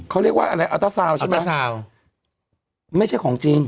เขาเรียกว่าอะไรอัลเตอร์ซาวน์ใช่ไหมต้าซาวไม่ใช่ของจริง